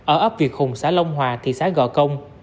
ở ấp việt hùng xã long hòa thị xã gò công